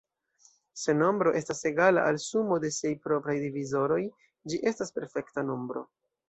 Se nombro estas egala al sumo de siaj propraj divizoroj, ĝi estas perfekta nombro.